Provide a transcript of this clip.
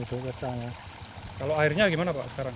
kalau airnya gimana pak sekarang